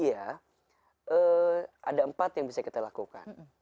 ada empat yang bisa kita lakukan